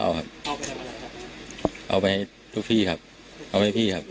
อ้าวเอาไปทุกที่อัด